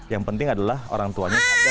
yang penting adalah orang tuanya harus dijaga